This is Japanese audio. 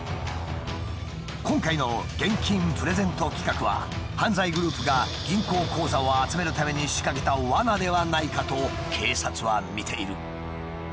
今回の「現金プレゼント企画」は犯罪グループが銀行口座を集めるために仕掛けたワナではないかと警察はみている。